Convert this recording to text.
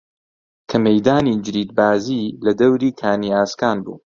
کە مەیدانی جریدبازی لە دەوری کانی ئاسکان بوو